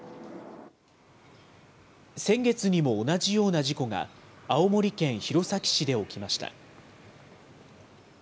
先月にも同じような事故が、青森県弘前市で起きました。